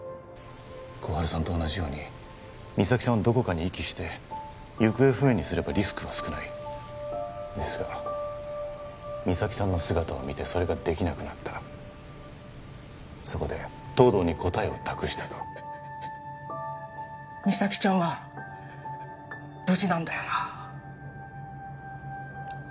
心春さんと同じように実咲さんをどこかに遺棄して行方不明にすればリスクは少ないですが実咲さんの姿を見てそれができなくなったそこで東堂に答えを託したと実咲ちゃんは無事なんだよな？